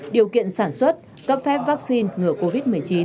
điều kiện sản xuất cấp phép vaccine ngừa covid một mươi chín